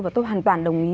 và tôi hoàn toàn đồng ý